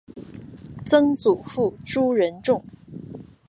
曾祖父朱仁仲。